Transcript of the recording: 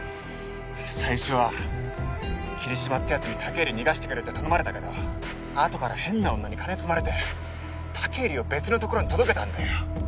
最初は桐島ってやつに武入逃がしてくれって頼まれたけどあとから変な女に金積まれて武入を別のところに届けたんだよ